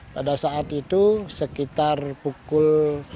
pada saat itu sekitar pukul